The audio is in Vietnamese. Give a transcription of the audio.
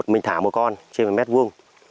một mình thả một con trên một mét vuông